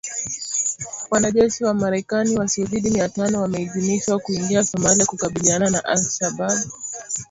Wanajeshi wa Marekani wasiozidi mia tano wameidhinishwa kuingia Somalia kukabiliana na Al Shabaab.